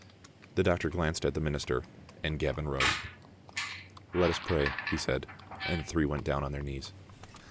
The doctor glanced at the minister, and Gavin rose. "Let us pray," he said, and the three went down on their knees.